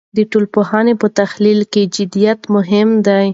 د ټولنپوهنې په تحلیل کې جدیت مهم دی.